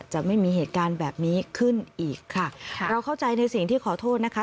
จะไม่มีเหตุการณ์แบบนี้ขึ้นอีกค่ะค่ะเราเข้าใจในสิ่งที่ขอโทษนะคะ